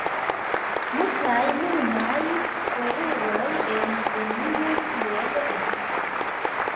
Multaj nunaj kleruloj en Benino tiel edukiĝis.